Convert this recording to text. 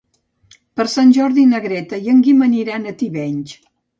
Per Sant Jordi na Greta i en Guim aniran a Tivenys.